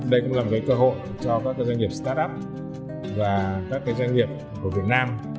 đây cũng là một cơ hội cho các doanh nghiệp startup và các doanh nghiệp của việt nam